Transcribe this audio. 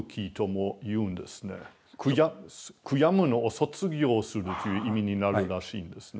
悔やむのを卒業するという意味になるらしいんですね。